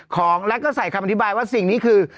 ของแล้วก็ใส่คำอธิบายว่าสิ่งนี้คือ